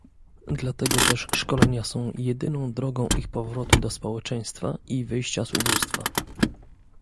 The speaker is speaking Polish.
Dlatego też szkolenia są jedyną drogą ich powrotu do społeczeństwa i wyjścia z ubóstwa